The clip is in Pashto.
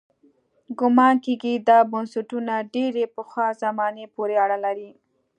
ګومان کېږي دا بنسټونه ډېرې پخوا زمانې پورې اړه لري.